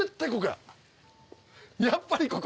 やっぱりここ。